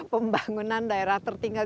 dan pembangunan daerah tertinggal